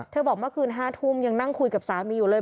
บอกเมื่อคืน๕ทุ่มยังนั่งคุยกับสามีอยู่เลย